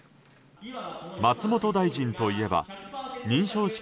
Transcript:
松本大臣といえば認証式